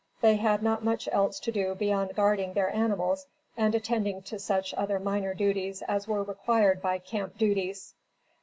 They had not much else to do beyond guarding their animals and attending to such other minor duties as were required by camp duties.